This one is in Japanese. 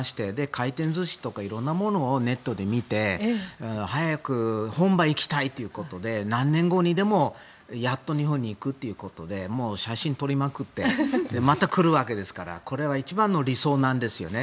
回転寿司店とか色んなものをネットで見て、早く本場に行きたいっていうことで何年後にでもやっと日本に行くということでもう写真撮りまくってまた来るわけですからこれが一番の理想なんですよね。